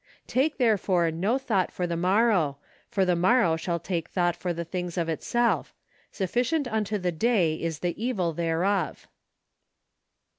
" Take therefore no thought for the morrow; for the morrow shall take thought for the things of itself. Sufficient unto the day is the evil thereof."